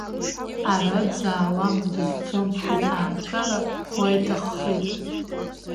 Ара дзаауам, дызцом, иҭаацәара уа иҭаххеит.